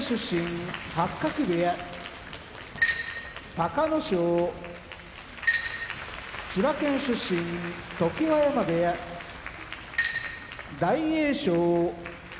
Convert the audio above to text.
隆の勝千葉県出身常盤山部屋大栄翔